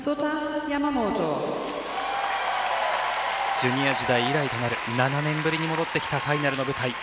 ジュニア時代以来となる７年ぶりに戻ってきたファイナルの舞台。